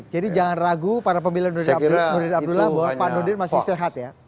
jadi jangan ragu para pemilihan nurin abdullah bahwa pak nurdin masih sehat ya